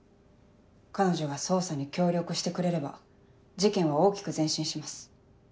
彼女が捜査に協力してくれれば事件は大きく前進します。